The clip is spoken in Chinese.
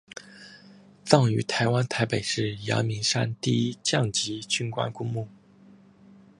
葬于台湾台北市阳明山第一将级军官公墓